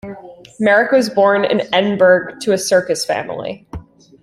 Merrick was born in Edinburgh to a circus family.